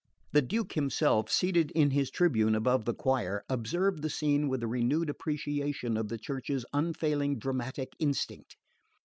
The Duke himself, seated in his tribune above the choir, observed the scene with a renewed appreciation of the Church's unfailing dramatic instinct.